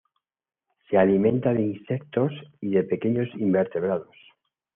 Se alimenta de insectos y pequeños invertebrados.